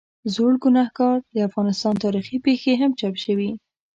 زړوګناهکار، د افغانستان تاریخي پېښې هم چاپ شوي.